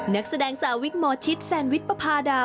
นักแสดงสาววิกหมอชิตแซนวิชปภาดา